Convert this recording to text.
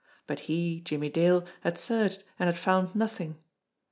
But he, Jimmie Dale, had searched and had found nothing.